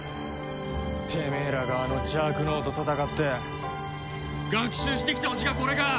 てめえらがあの邪悪の王と戦って学習してきたオチがこれか？